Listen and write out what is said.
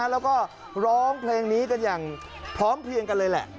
แล้วก็ร้องเพลงนี้กันอย่างพร้อมเพลียงกันเลยแหละ